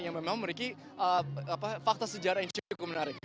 yang memang memiliki fakta sejarah yang cukup menarik